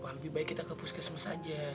pak lebih baik kita ke puskesmas aja